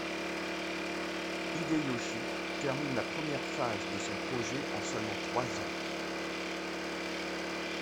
Hideyoshi termine la première phase de son projet en seulement trois ans.